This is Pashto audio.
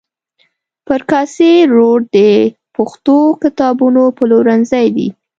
پر کاسي روډ د پښتو کتابونو پلورنځي دي.